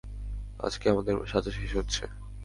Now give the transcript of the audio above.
আজকে আমাদের সাজা শেষ হচ্ছে।